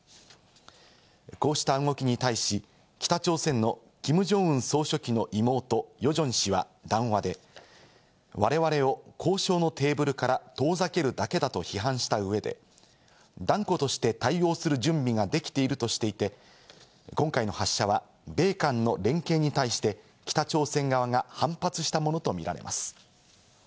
こうした動きに対し、北朝鮮のキム・ジョンウン総書記の妹・ヨジョン氏は談話で我々を交渉のテーブルから遠ざけるだけだと批判した上で、断固として対応する準備ができているとしていて今回の発射は米韓の連携に対して北朝鮮側が反発したものと見られます。